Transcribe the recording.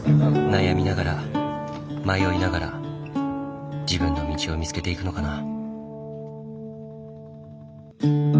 悩みながら迷いながら自分の道を見つけていくのかな。